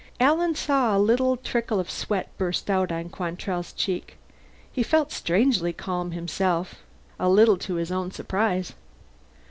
Alan saw a little trickle of sweat burst out on Quantrell's cheek. He felt strangely calm himself, a little to his own surprise.